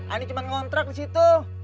ani cuma ngontrak di situ